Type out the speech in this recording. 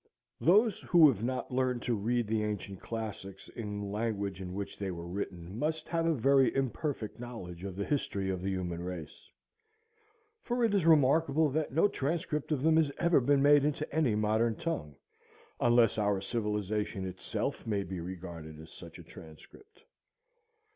Those who have not learned to read the ancient classics in the language in which they were written must have a very imperfect knowledge of the history of the human race; for it is remarkable that no transcript of them has ever been made into any modern tongue, unless our civilization itself may be regarded as such a transcript.